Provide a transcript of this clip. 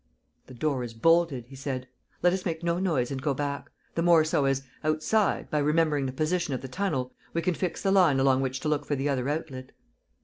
"The door is bolted," he said. "Let us make no noise and go back. The more so as, outside, by remembering the position of the tunnel, we can fix the line along which to look for the other outlet."